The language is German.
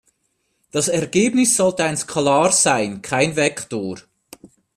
Das Ergebnis sollte ein Skalar sein, kein Vektor.